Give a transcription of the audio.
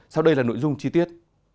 sau đây là nội dung chi tiết